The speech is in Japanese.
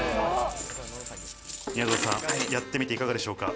みやぞんさん、やってみていかがでしょうか？